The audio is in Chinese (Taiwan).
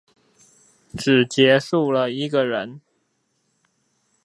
只結束了一個人